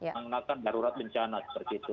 mengenakan darurat bencana seperti itu